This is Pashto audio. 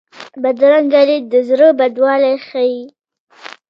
بدرنګه لید د زړه بدوالی ښيي